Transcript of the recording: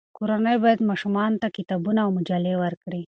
کورنۍ باید ماشومانو ته کتابونه او مجلې ورکړي.